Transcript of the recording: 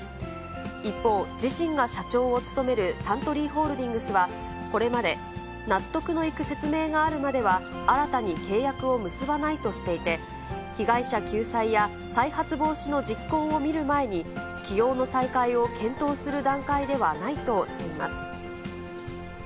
一方、自身が社長を務めるサントリーホールディングスは、これまで納得のいく説明があるまでは新たに契約を結ばないとしていて、被害者救済や再発防止の実行を見る前に、起用の再開を検討する段階ではないとしています。